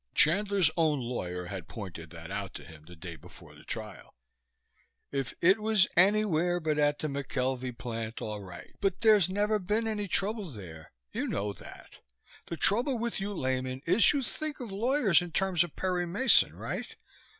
Chandler's own lawyer had pointed that out to him the day before the trial. "If it was anywhere but at the McKelvey plant, all right, but there's never been any trouble there. You know that. The trouble with you laymen is you think of lawyers in terms of Perry Mason, right?